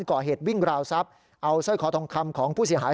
ก่อเหตุวิ่งราวทรัพย์เอาสร้อยคอทองคำของผู้เสียหาย